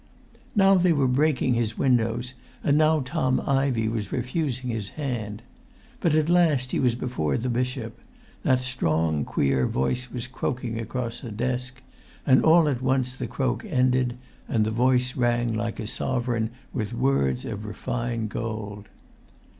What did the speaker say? Now they were breaking his windows, and now Tom Ivey was refusing his hand. But at last he was before the bishop; that strong, queer voice was croaking across the desk; and all at once the croak ended, and the voice rang like a sovereign with words of refined gold.